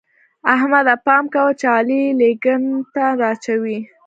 احمده! پام کوه چې علي لېنګته دراچوي.